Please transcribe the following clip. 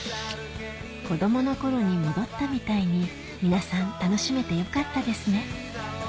子供の頃に戻ったみたいに皆さん楽しめてよかったですね